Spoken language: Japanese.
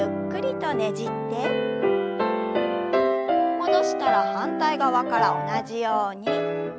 戻したら反対側から同じように。